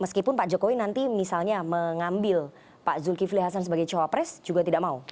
meskipun pak jokowi nanti misalnya mengambil pak zulkifli hasan sebagai cawapres juga tidak mau